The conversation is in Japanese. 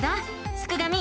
すくがミ